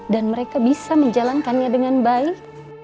dan mereka bisa menjalankannya dengan baik